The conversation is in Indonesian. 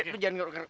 eh lo jangan gerak